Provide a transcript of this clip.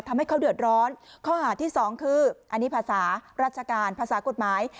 ทำให้เขาเดือดร้อนข้อหาที่สองคืออันนี้ภาษาราชการภาษากฎหมาย